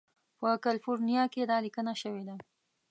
په کالیفورنیا کې دا لیکنه شوې ده.